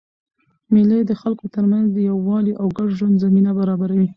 مېلې د خلکو ترمنځ د یووالي او ګډ ژوند زمینه برابروي.